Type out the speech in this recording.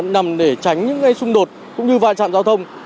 nằm để tránh những ngay xung đột cũng như vạn trạm giao thông